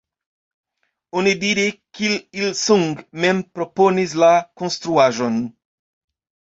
Onidire Kim Il-sung mem proponis la konstruaĵon.